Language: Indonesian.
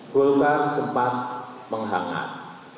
golkar sempat menghangat